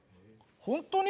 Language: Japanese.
本当に？